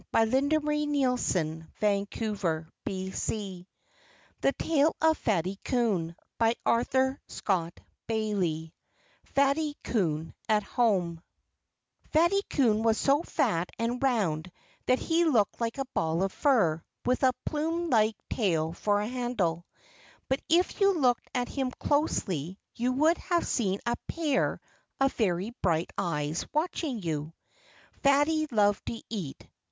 FATTY CRIED IT HUNG UNDER A TREE, JUST OVER FATTY'S HEAD I FATTY COON AT HOME Fatty Coon was so fat and round that he looked like a ball of fur, with a plumelike tail for a handle. But if you looked at him closely you would have seen a pair of very bright eyes watching you. Fatty loved to eat.